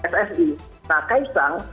ssi nah ksang